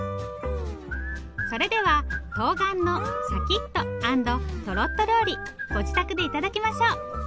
それではとうがんのシャキッと＆トロッと料理ご自宅で頂きましょう。